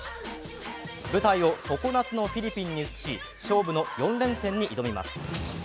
舞台を常夏のフィリピンに移し勝負の４連戦に挑みます。